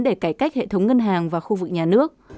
để cải cách hệ thống ngân hàng và khu vực nhà nước